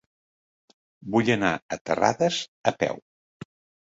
Vull anar a Terrades a peu.